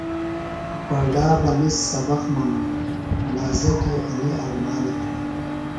بڈا بہ ِنس سبق منُوم۔ نازکیۡ انیۡ ارمان ہِنیۡ